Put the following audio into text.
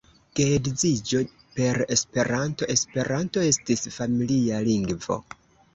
Geedziĝo per Esperanto; Esperanto estis familia lingvo.